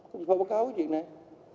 không có báo cáo cái chuyện này